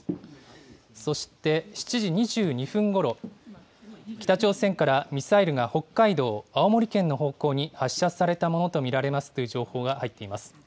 そして７時２２分ごろ、北朝鮮からミサイルが北海道、青森県の方向に発射されたものと見られますという情報が入っています。